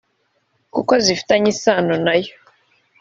kuko zifitanye isano na yo